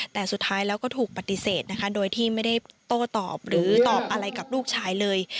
แต่สุดท้ายแล้วก็ถูกปฏิเสธนะคะโดยที่ไม่ได้โต้ตอบหรือตอบอะไรกับลูกชายเลย